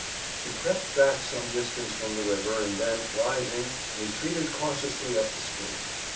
He crept back some distance from the river and then, rising, retreated cautiously up the stream.